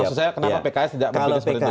maksud saya kenapa pks tidak memilih seperti itu